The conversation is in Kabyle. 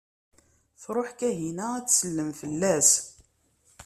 Truḥ Kahina ad tsellem fell-as.